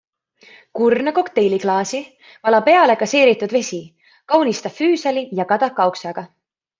Kurna kokteiliklaasi, vala peale gaseeritud vesi, kaunista füüsali ja kadakaoksaga.